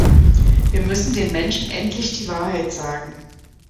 Wir müssen den Menschen endlich die Wahrheit sagen.